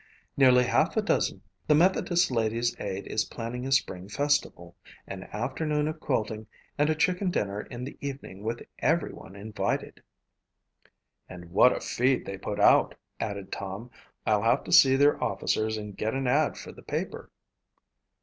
"Nearly half a dozen. The Methodist Ladies Aid is planning a spring festival, an afternoon of quilting and a chicken dinner in the evening with everyone invited." "And what a feed they put out," added Tom. "I'll have to see their officers and get an ad for the paper."